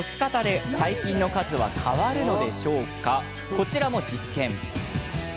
こちらも実験。